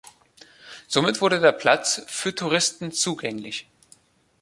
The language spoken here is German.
Somit wurde der Platz für Touristen zugänglich.